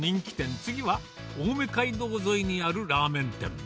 次は青梅街道沿いにあるラーメン店。